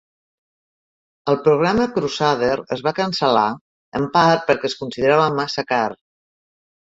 El programa Crusader es va cancel·lar, en part perquè es considerava massa car.